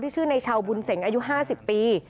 ที่ชื่อในชาวบุญเส็งอายุห้าสิบปี